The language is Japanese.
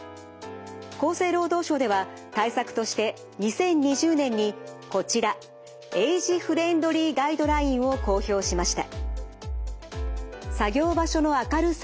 厚生労働省では対策として２０２０年にこちらエイジフレンドリーガイドラインを公表しました。